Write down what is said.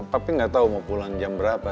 papi gak tau mau pulang jam berapa